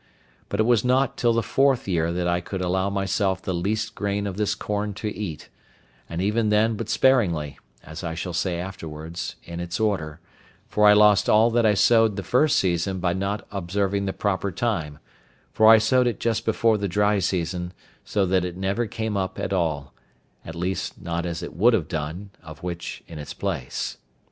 But it was not till the fourth year that I could allow myself the least grain of this corn to eat, and even then but sparingly, as I shall say afterwards, in its order; for I lost all that I sowed the first season by not observing the proper time; for I sowed it just before the dry season, so that it never came up at all, at least not as it would have done; of which in its place.